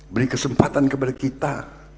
beri kesempatan kepada kita